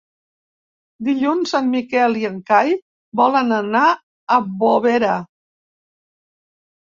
Dilluns en Miquel i en Cai volen anar a Bovera.